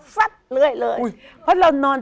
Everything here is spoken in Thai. ฟักเลยเลยเพราะเรานอน